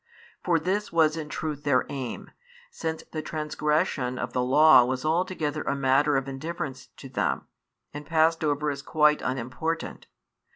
For this was in truth their aim, since the transgression of the law was altogether a matter of indifference to them, and passed over as quite unimportant.